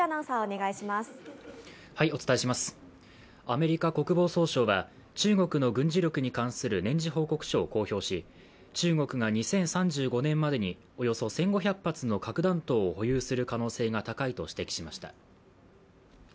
アメリカ国防総省は中国の軍事力に関する年次報告書を公表し中国が２０３５年までにおよそ１５００発の核弾頭を保有する可能性が高いと指摘しました。